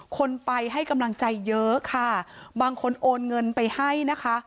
คนไปให้กำลังใจเยอะค่ะบางคนโอนเงินไปให้นะคะ